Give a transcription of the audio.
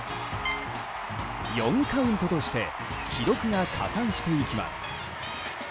４カウントとして記録が加算していきます。